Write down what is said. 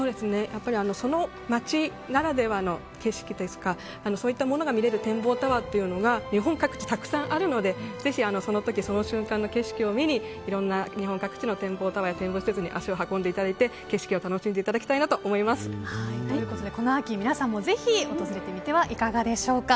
その街ならではの景色そういったものが見れる展望タワーというのが日本各地たくさんあるのでぜひその時その瞬間の景色を見に、いろんな日本各地の展望タワーや展望施設に足を運んでいただいて景色を楽しんでいただきたいなとこの秋、皆さんもぜひ訪れてみてはいかがでしょうか。